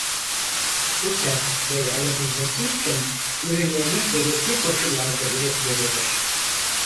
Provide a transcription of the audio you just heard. Bu sertifikayı alabilmesi için ürünlerini gerekli koşullarda üretmelidir.